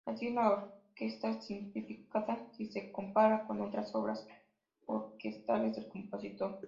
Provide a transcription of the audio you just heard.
Así, es una orquesta simplificada si se compara con otras obras orquestales del compositor.